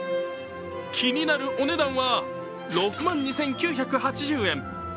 気になるお値段は６万２９８０円。